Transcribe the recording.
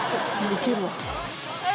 いけるわ。